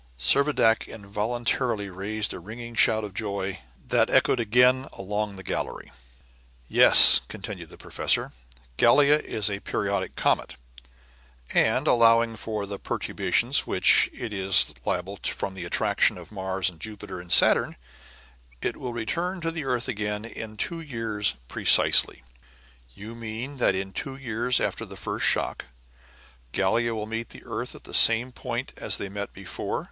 Servadac involuntarily raised a ringing shout of joy that echoed again along the gallery. "Yes," continued the professor, "Gallia is a periodic comet, and allowing for the perturbations to which it is liable from the attraction of Mars and Jupiter and Saturn, it will return to the earth again in two years precisely." "You mean that in two years after the first shock, Gallia will meet the earth at the same point as they met before?"